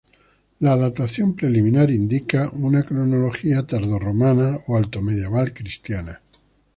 La datación preliminar indica una cronología tardorromana o altomedieval cristiana.